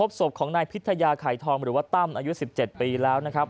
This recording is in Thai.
ศพของนายพิทยาไข่ทองหรือว่าตั้มอายุ๑๗ปีแล้วนะครับ